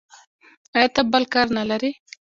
ایا ته بل کار نه لرې.